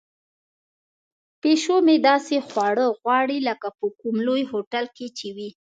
پیشو مې داسې خواړه غواړي لکه په کوم لوی هوټل کې چې وي.